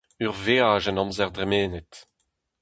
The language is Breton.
Ur veaj en amzer dremenet.